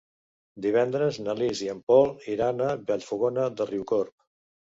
Divendres na Lis i en Pol iran a Vallfogona de Riucorb.